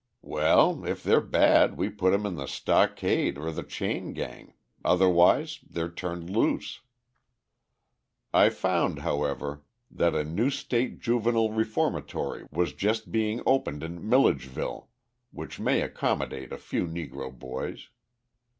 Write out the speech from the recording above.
"Well, if they're bad we put 'em in the stockade or the chain gang, otherwise they're turned loose." I found, however, that a new state juvenile reformatory was just being opened at Milledgeville which may accommodate a few Negro boys.